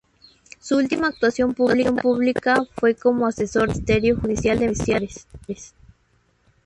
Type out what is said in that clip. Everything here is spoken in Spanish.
Su última actuación pública fue como asesor del ministerio judicial de menores.